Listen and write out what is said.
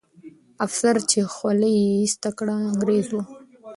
افسر چې خولۍ یې ایسته کړه، انګریزي وو.